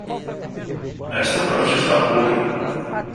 Esta prancha está podre